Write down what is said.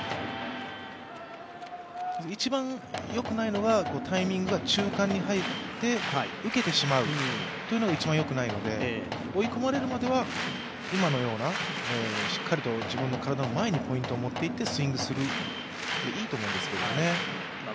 一番よくないのがタイミングが中間に入って受けてしまうというのが一番良くないので追い込まれるまでは今のようなしっかりと自分の体を前にポイントを持っていってポイントを持っていってスイングするのでいいと思うんですけどね。